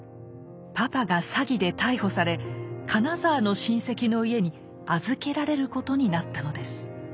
パパが詐欺で逮捕され金沢の親戚の家に預けられることになったのです。